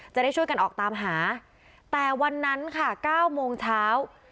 จะได้ช่วยกันออกตามหาแต่วันนั้นค่ะ๙โมงเช้า